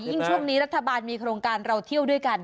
ช่วงนี้รัฐบาลมีโครงการเราเที่ยวด้วยกัน